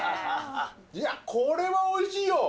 いや、これはおいしいよ。